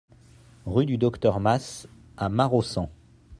Rue du Docteur Mas à Maraussan